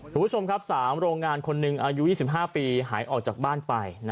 คุณผู้ชมครับ๓โรงงานคนหนึ่งอายุ๒๕ปีหายออกจากบ้านไป